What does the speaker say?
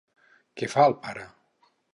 Què fa el pare?